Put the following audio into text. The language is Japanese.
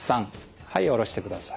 はい下ろしてください。